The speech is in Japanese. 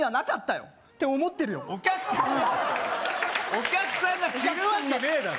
お客さんが知るわけねえだろ